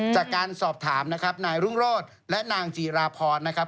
จากการสอบถามนะครับนายรุ่งโรธและนางจีราพรนะครับ